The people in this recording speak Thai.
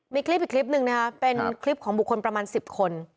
มีคลิปอีกคลิปหนึ่งนะคะเป็นคลิปของบุคคลประมาณ๑๐คน